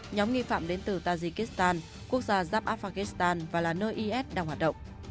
nhóm nghi phạm đến từ tajikistan quốc gia jaffa pakistan và là nơi is đang hoạt động